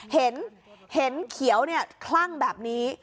เห็นเขียวเนี่ยคลั่งแบบนี้